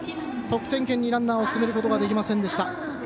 得点圏にランナーを進めることができませんでした。